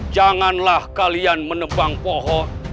janganlah kalian menebang pohon